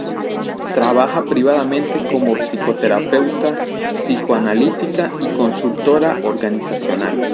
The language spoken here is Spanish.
Trabaja privadamente como psicoterapeuta psicoanalítica y consultora organizacional.